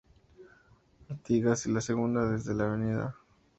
Artigas y la segunda desde la Av.